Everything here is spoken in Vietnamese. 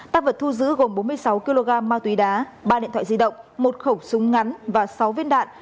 tăng vật thu giữ gồm bốn mươi sáu kg ma túy đá ba điện thoại di động một khẩu súng ngắn và sáu viên đạn